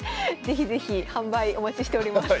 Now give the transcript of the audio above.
是非是非販売お待ちしております。